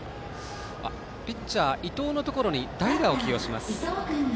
ピッチャー伊東のところに代打を起用します。